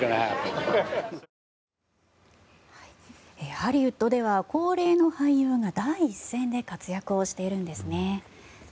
ハリウッドでは高齢の俳優が第一線で活躍をしているんですね。